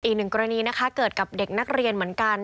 อีกหนึ่งกรณีนะคะเกิดกับเด็กนักเรียนเหมือนกัน